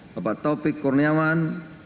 bapak topik kurniawan